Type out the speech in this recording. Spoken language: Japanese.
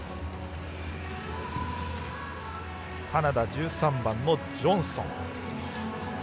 カナダ１３番のジョンソン。